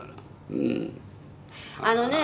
あのね